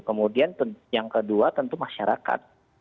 kemudian yang kedua tentu masyarakat